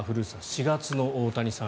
４月の大谷さん